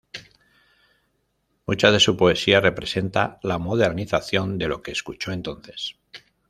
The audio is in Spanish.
Mucha de su poesía representa la modernización de lo que escuchó entonces.